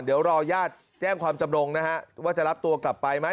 เดี๋ยวรอญาติแจ้งความจำนงนะฮะว่าจะรับตัวกลับไปไหม